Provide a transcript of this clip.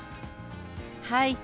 はい。